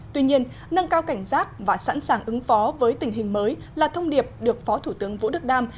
tuy nhiên nâng cao cảnh giác và sẵn sàng ứng phó với tình hình mới là thông điệp được phó thủ tướng vũ đức đam